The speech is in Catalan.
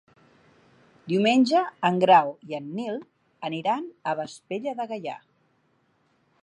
Diumenge en Grau i en Nil aniran a Vespella de Gaià.